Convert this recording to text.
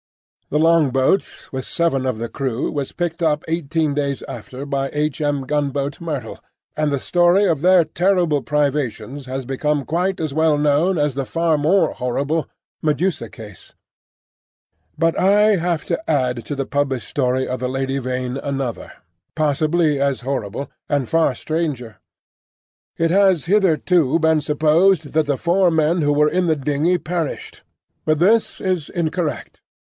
The longboat, with seven of the crew, was picked up eighteen days after by H. M. gunboat Myrtle, and the story of their terrible privations has become quite as well known as the far more horrible Medusa case. But I have to add to the published story of the Lady Vain another, possibly as horrible and far stranger. It has hitherto been supposed that the four men who were in the dingey perished, but this is incorrect.